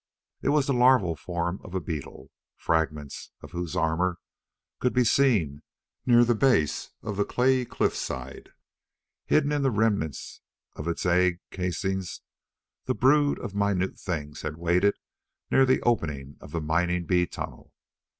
It was the larval form of a beetle, fragments of whose armor could be seen near the base of the clayey cliffside. Hidden in the remnants of its egg casings, the brood of minute things had waited near the opening of the mining bee tunnel.